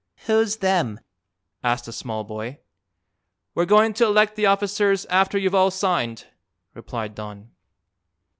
"Who's them?" asked a small boy. "We're going to elect the officers after you've all signed," replied Don.